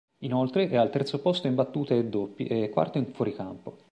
Inoltre è al terzo posto in battute e doppi e quarto in fuoricampo.